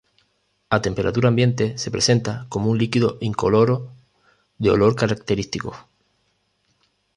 A temperatura ambiente se presenta como un líquido incoloro de olor característico.